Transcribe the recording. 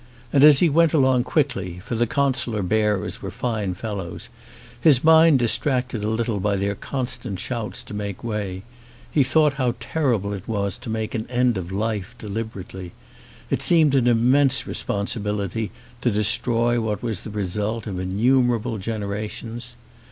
And as he went along quickly, for the consular bearers were fine fellows, his mind distracted a little by their constant shouts to make way, he thought how terrible it was to make an end of life deliberately: it seemed an im mense responsibility to destroy what was the result of innumerable generations.